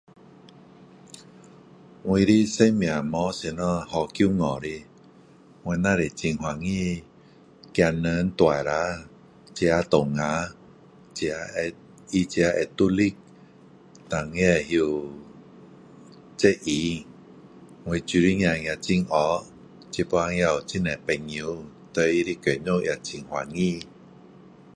我的生命没有什么好骄傲的，我只是很欢喜。孩子们大了，自己当家，自己会，他自己会独立，但也会责任。我的女儿也很乖，现在也有很多朋友，对她的工作也很满意。